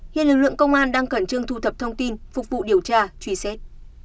hiện lực lượng công an đang cẩn trưng thu thập thông tin phục vụ điều tra truy xét